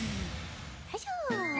よいしょ。